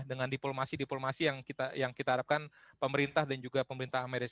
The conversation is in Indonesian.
dengan diplomasi diplomasi yang kita harapkan pemerintah dan juga pemerintah amerika